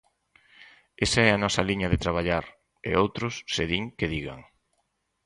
Esa é a nosa liña de traballar, e outros, se din, que digan.